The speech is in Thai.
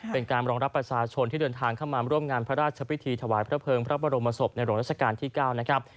เป็นการรองรับประชาชนที่เดินทางเข้ามาร่วมงานพระราชพิธีถวายพระเภิงพระบรมศพในหลวงราชการที่๙นะครับ